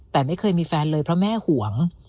แต่ไม่เคยมีแฟนเลยเพราะแม่ห่วง